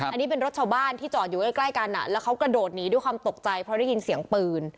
อันนี้เป็นรถชาวบ้านที่จอดอยู่ใกล้กันแล้วเขากระโดดหนีด้วยความตกใจเพราะได้ยินเสียงปืน